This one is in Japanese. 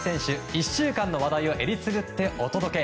１週間の話題をえりすぐってお届け。